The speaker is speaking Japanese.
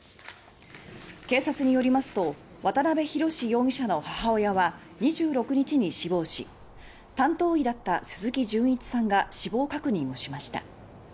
警察によりますと渡辺宏容疑者の母親は２６日に死亡し担当医だった鈴木純一さんが死亡確認をしました。